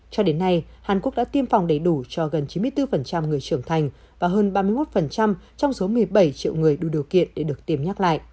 cho đến nay hàn quốc đã tiêm phòng đầy đủ cho gần chín mươi bốn người trưởng thành và hơn ba mươi một trong số một mươi bảy triệu người đủ điều kiện